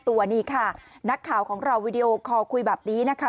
แต่ไม่ได้ว่าเอาหน้าเขาไปทิ้มกับท่อนะครับ